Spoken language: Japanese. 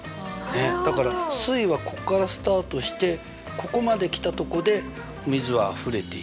だから水位はここからスタートしてここまで来たとこで水はあふれていく。